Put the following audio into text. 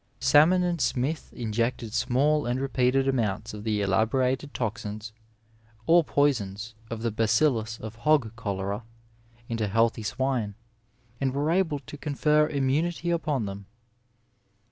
Salmon and Smith injected small and repeated amounts of the elaborated toxins or poisons of the bacillus of hog cholera into healthy swine, and were able to confer immunity upcm them.